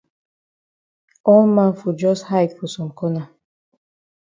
All man fon jus hide for some corner.